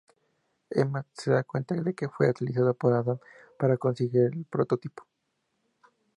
Emma se da cuenta de que fue utilizada por Adam para conseguir el prototipo.